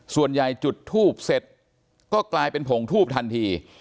ส่วนใหญ่จุดทูบเสร็จก็กลายเป็นผงทูบทันที